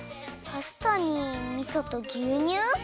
パスタにみそとぎゅうにゅう？